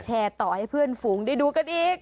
แชร์ต่อให้เพื่อนฝูงได้ดูกันอีก